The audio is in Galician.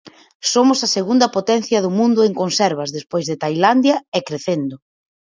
Somos a segunda potencia do mundo en conservas, despois de Tailandia, e crecendo.